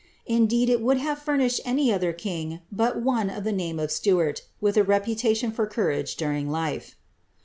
Indeed^ it would have furnished any other king, but one of the name of Stuart, with a reputation for courage during life.